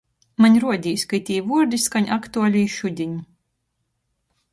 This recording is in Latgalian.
Maņ ruodīs, ka itī vuordi skaņ aktuali i šudiņ —